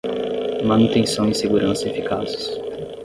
Manutenção e segurança eficazes